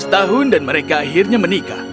tujuh belas tahun dan mereka akhirnya menikah